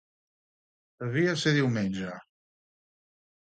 Devia ser diumenge.